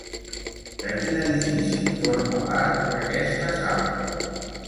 De quin edifici forma part aquesta sala?